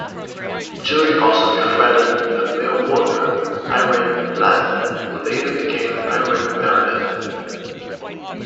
Judy also befriended a mill worker, Irene Lang, who later became Irene Meredith.